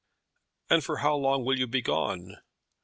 "And for how long will you be gone?"